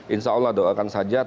insya allah doakan saja